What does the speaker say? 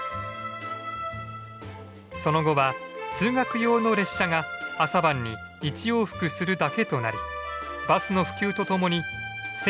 その後は通学用の列車が朝晩に１往復するだけとなりバスの普及とともに１９８４年に廃止されました。